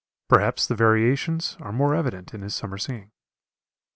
Perhaps the variations are more evident in his summer singing.